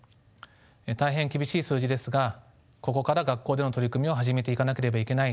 大変厳しい数字ですがここから学校での取り組みを始めていかなければいけない